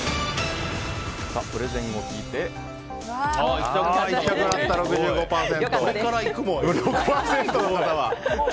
プレゼンを聞いてこれから行くも６％。